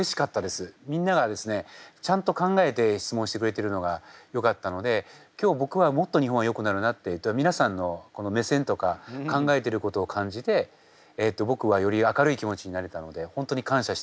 みんながですねちゃんと考えて質問してくれてるのがよかったので今日僕はもっと日本はよくなるなって皆さんのこの目線とか考えていることを感じて僕はより明るい気持ちになれたので本当に感謝しています。